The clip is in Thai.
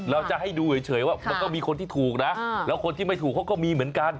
เราจะให้ดูเฉยว่ามันก็มีคนที่ถูกนะแล้วคนที่ไม่ถูกเขาก็มีเหมือนกัน